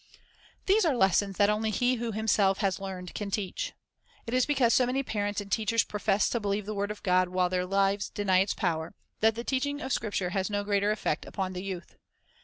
These are lessons that only he who himself has learned can teach. It is because so many parents and teachers profess to believe the word of God while their lives deny its power, that the teaching of Scripture has no greater effect upon the youth.